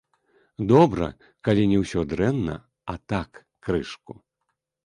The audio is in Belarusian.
Добра, калі не ўсё дрэнна, а так, крышку.